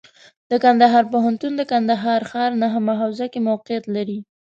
د کندهار پوهنتون د کندهار ښار نهمه حوزه کې موقعیت لري.